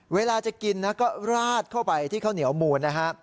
เวลาจะกินนะก็ราดเข้าไปที่ข้าวเหนียวมูลนะฮะ